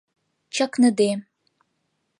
чакныде